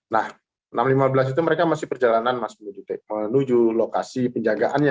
nah enam lima belas itu mereka masih perjalanan menuju lokasi penjagaannya